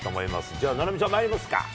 じゃあ、菜波ちゃん、まいりますか。